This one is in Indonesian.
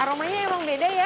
aromanya emang beda ya